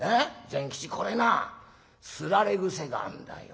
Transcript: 善吉これなすられ癖があんだよ。